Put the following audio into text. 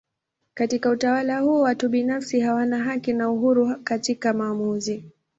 Katika utawala huu watu binafsi hawana haki na uhuru katika maamuzi.